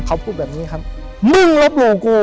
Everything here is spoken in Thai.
เขาพูดแบบนี้ครับ